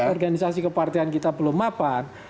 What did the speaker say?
organisasi kepartian kita belum mapan